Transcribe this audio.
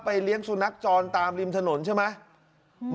เลี้ยงสุนัขจรตามริมถนนใช่ไหม